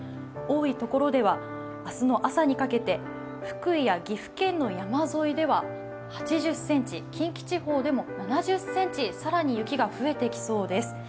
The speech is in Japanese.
多いところでは明日の朝にかけて福井や岐阜県の山沿いでは８０ｃｍ、近畿地方でも７０ｃｍ更に雪が増えてきそうです。